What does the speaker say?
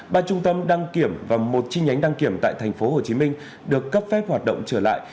ba trung tâm đăng kiểm và một chi nhánh đăng kiểm tại tp hcm được cấp phép hoạt động trở lại